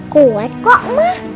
kuat kok ma